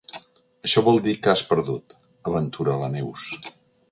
Això vol dir que has perdut —aventura la Neus.